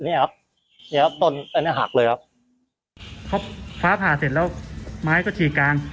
เนี้ยครับต้นอันเนี้ยหักเลยครับฟ้าผ่าเสร็จแล้วไม้ก็ฉีกกลาง